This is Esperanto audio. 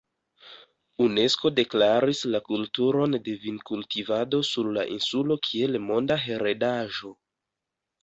Unesko deklaris la kulturon de vinkultivado sur la insulo kiel monda heredaĵo.